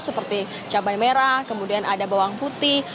seperti cabai merah kemudian ada bawang putih